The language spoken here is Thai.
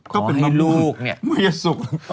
ก็เป็นบรรทุนอย่าสุข